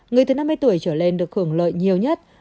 người từ năm mươi tuổi trở lên được hưởng lợi nhiều nhất